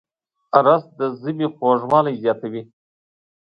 رس د ژبې خوږوالی زیاتوي